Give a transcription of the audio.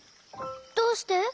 どうして？